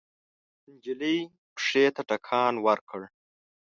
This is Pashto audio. نجلۍ پښې ته ټکان ورکړ.